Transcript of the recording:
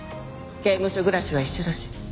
刑務所暮らしは一緒だし。